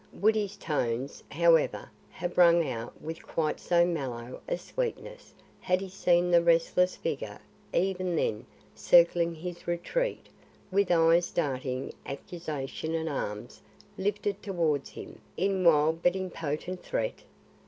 Would his tones, however, have rung out with quite so mellow a sweetness had he seen the restless figure even then circling his retreat with eyes darting accusation and arms lifted towards him in wild but impotent threat?